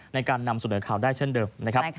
ในการนำเสนอข่าวได้เช่นเดิมนะครับ